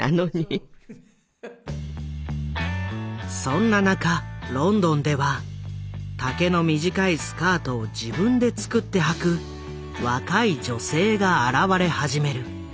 そんな中ロンドンでは丈の短いスカートを自分で作ってはく若い女性が現れ始める。